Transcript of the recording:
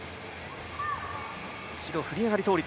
後ろ振り上がり倒立。